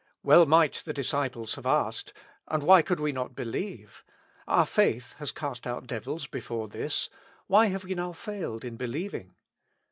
Well might the disciples have asked :" And why could we not believe ? Our faith has cast out devils before this ; why have we now failed in believing?"